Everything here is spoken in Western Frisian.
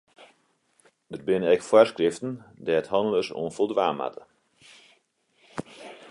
Der binne ek foarskriften dêr't hannelers oan foldwaan moatte.